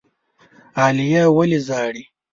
عالیه ولي ژاړي؟